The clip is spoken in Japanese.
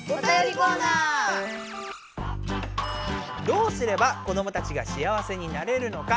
どうすれば子どもたちがしあわせになれるのか。